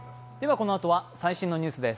このあとは最新のニュースです。